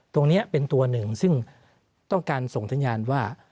ตรงนี้เป็นตัวหนึ่งซึ่งต้องการส่งสัญญาณว่า